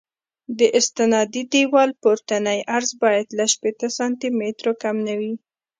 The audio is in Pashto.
د استنادي دیوال پورتنی عرض باید له شپېته سانتي مترو کم نه وي